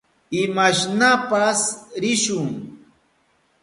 Imashnapas rishun.